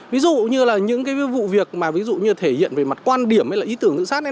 ví dụ như là những cái vụ việc mà ví dụ như thể hiện về mặt quan điểm hay là ý tưởng tự sát ấy